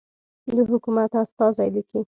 د حکومت استازی لیکي.